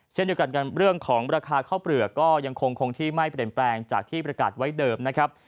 เช่นเดียวกันกันเรื่องของราคาข้าวเปลือกก็ยังคงที่ไม่เปลี่ยนแปลงจากที่ประกาศไว้เดิมนะครับ